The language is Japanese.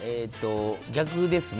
逆ですね。